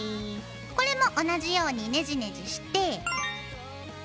これも同じようにねじねじして。